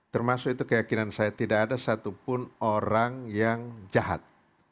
termasuk itu keyakinan saya tidak ada satupun orang yang jahat